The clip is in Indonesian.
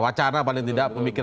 wacana paling tidak